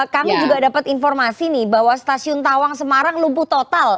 kami juga dapat informasi nih bahwa stasiun tawang semarang lumpuh total